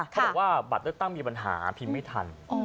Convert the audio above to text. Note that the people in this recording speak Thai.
เขาบอกว่าบัตรเลือกตั้งมีปัญหาพิมพ์ไม่ทัน